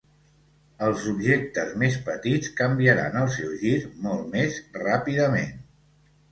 Els objectes més petits canviaran el seu gir molt més ràpidament.